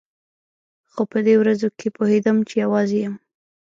خو په دې ورځو کښې پوهېدم چې يوازې يم.